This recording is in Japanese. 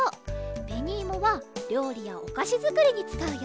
べにいもはりょうりやおかしづくりにつかうよ。